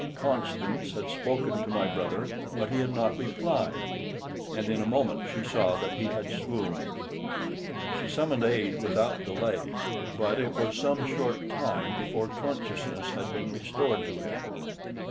Constance had spoken to my brother, but he had not replied, and in a moment she saw that he had swooned. She summoned aid without delay, but it was some short time before consciousness had been restored to him.